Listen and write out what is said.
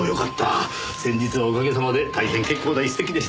先日はおかげさまで大変結構な一席でした。